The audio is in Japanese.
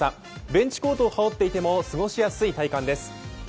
ベンチコートを羽織っていても過ごしやすい体感です。